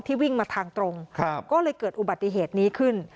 วิ่งมาทางตรงก็เลยเกิดอุบัติเหตุนี้ขึ้น